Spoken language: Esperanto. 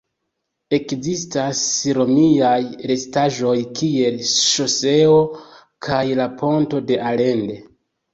Ekzistas romiaj restaĵoj kiel ŝoseo kaj la ponto de Allende.